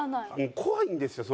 怖いんですよ。